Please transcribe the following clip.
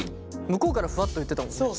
向こうからふわっと言ってたもんね。